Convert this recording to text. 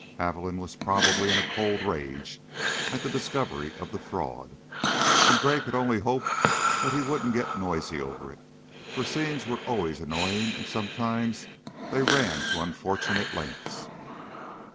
Haviland was probably in a cold rage at the discovery of the fraud, and Gray could only hope that he wouldn't get noisy over it, for scenes were always annoying and sometimes they ran to unfortunate lengths.